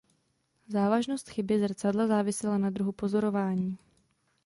Závažnost chyby zrcadla závisela na druhu pozorování.